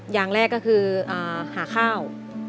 อย่างแรกก็คือหาข้าว